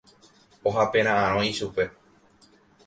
ohapera'ãrõ ichupe.